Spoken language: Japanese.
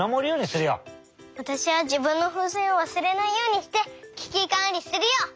わたしはじぶんのふうせんをわすれないようにしてききかんりするよ！